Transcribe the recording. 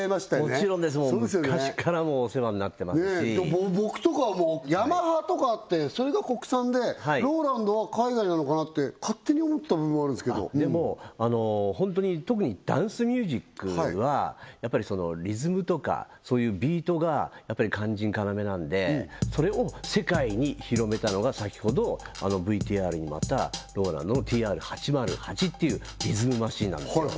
もちろんですもう昔っからお世話になってますし僕とかはもうヤマハとかってそれが国産でローランドは海外なのかなって勝手に思ってた部分もあるんですけどでも本当に特にダンスミュージックはやっぱりリズムとかそういうビートが肝心要なんでそれを世界に広めたのが先ほどあのＶＴＲにもあったローランドのＴＲ−８０８っていうリズムマシンなんですよ